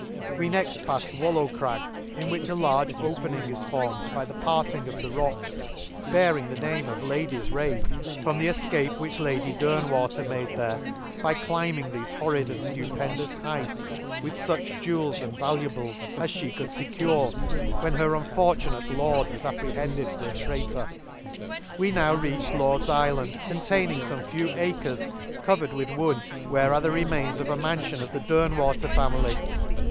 — We next palled Wallow Crag, in which a large opening is formed by the parting of the rocks, bearing the name of Lady's Rake, from the efcape which the Lakes. 147 which Lady Dernwater made there, by climbing thefe horrid and ftupendous heights with fuch jewels and valuables as fhe could fecure, when her unfortunate Lord was apprehended for a traitor. We now reached Lord^s Ifland, con taming fome few \ acres covered with wood, where are the remains of a man fion of the Dernwater family.